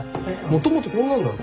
もともとこんなんだろ。